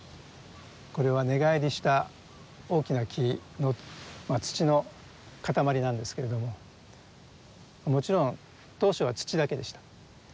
これは根返りした大きな木の土の塊なんですけれどももちろん当初は土だけでした。